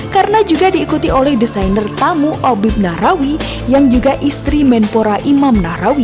karena juga diikuti oleh desainer tamu obib narawi yang juga istri menpora imam narawi